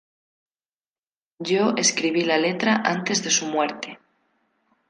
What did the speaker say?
Yo escribí la letra antes de su muerte.